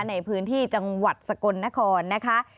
ในพื้นที่จังหวัดสกลนครนะคะ